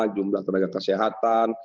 jumlah tenaga kesehatan